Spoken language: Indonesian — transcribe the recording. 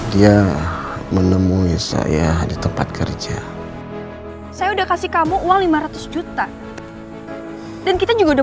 dia menemui saya di tempat kerja saya udah kasih kamu uang lima ratus juta dan kita juga udah